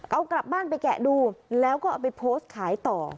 เอากลับบ้านไปแกะดูแล้วก็เอาไปโพสต์ขายต่อ